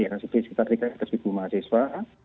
msep sekitar tiga ratus mahasiswa